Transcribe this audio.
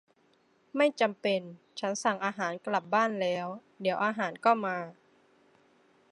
ไม่จำเป็น ฉันสั่งอาหารกลับบ้านแล้ว เดี๋ยวอาหารก็มา